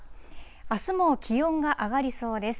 あすも気温が上がりそうです。